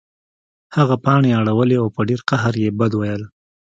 هغه پاڼې اړولې او په ډیر قهر یې بد ویل